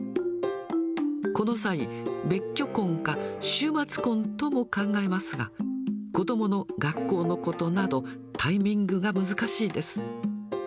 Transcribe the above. この際、別居婚か、週末婚とも考えますが、子どもの学校のことなど、タイミングが難しいです。